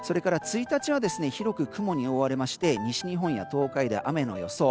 １日は広く雲に覆われまして西日本や東海で雨の予想。